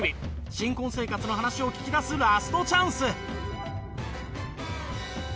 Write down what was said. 新婚生活の話を聞き出すラストチャンス。